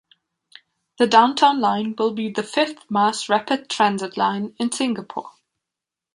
The Downtown Line will be the fifth Mass Rapid Transit line in Singapore.